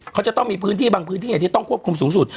เขาจะต้องมีพื้นที่บางพื้นที่ที่ต้องควบคุมสูงสุด